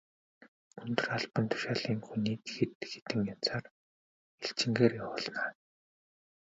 Өндөр албан тушаалын хүнийг хэд хэдэн янзаар элчингээр явуулна.